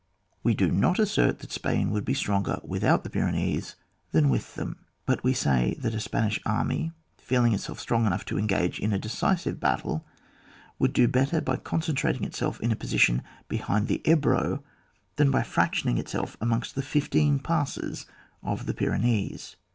We do not assert that Spain would be stronger tcithout the Pyrenees than with them^ but we say that a Spanish army, feeling itself strong enough to engage in a decisive battle, would do better by con centrating itself in a position behind the £bro, than by firactioning itself amongst the fifteen passes of the I^enees.